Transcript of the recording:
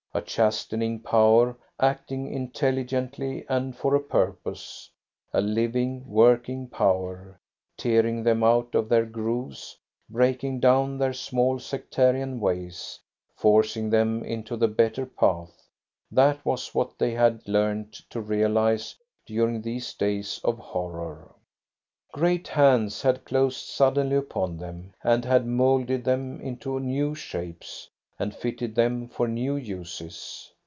A chastening power, acting intelligently and for a purpose a living, working power, tearing them out of their grooves, breaking down their small sectarian ways, forcing them into the better path that was what they had learned to realise during these days of horror. Great hands had closed suddenly upon them, and had moulded them into new shapes, and fitted them for new uses.